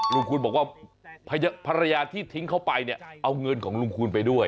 คูณบอกว่าภรรยาที่ทิ้งเขาไปเนี่ยเอาเงินของลุงคูณไปด้วย